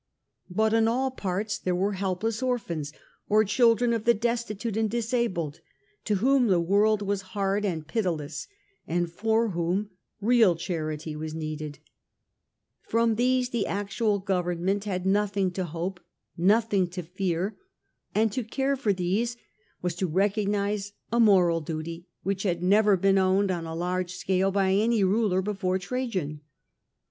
But in all parts there were helpless orphans, or children of the destitute and disabled, to whom the world was hard and pitiless, and for whom real charity was needed, novelty From these the actual government had nothing and use of to hope, nothing to fear, and to care for these was to recognise a moral duty which had never been owned on a large scale by any ruler before Trajan.